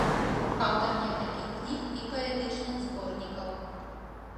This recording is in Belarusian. Аўтар некалькіх кніг і паэтычных зборнікаў.